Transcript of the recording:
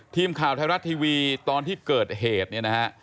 ทีมข่าวไทยรัฐทีวีตอนที่เกิดเหตุเนี่ยนะฮะ